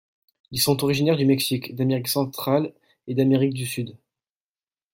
Ils sont originaires du Mexique, d'Amérique Centraleet d'Amérique du Sud.